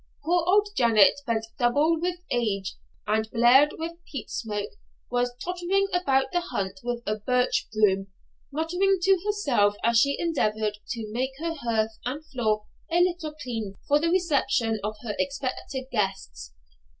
Poor old Janet, bent double with age and bleared with peat smoke, was tottering about the hut with a birch broom, muttering to herself as she endeavoured to make her hearth and floor a little clean for the reception of her expected guests.